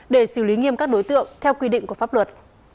để xử lý nghiêm các đối tượng theo quy định của pháp luật